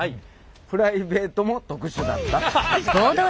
プライベートも特殊だった。